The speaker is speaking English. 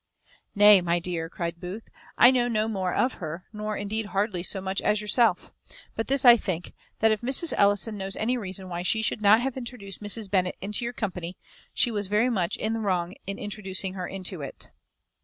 "Nay, my dear," cries Booth. "I know no more of her, nor indeed hardly so much as yourself. But this I think, that if Mrs. Ellison knows any reason why she should not have introduced Mrs. Bennet into your company, she was very much in the wrong in introducing her into it."